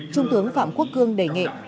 trung tướng phạm quốc cương đề nghị